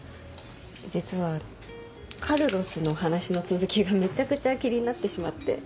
実はカルロスの話の続きがめちゃくちゃ気になってしまって。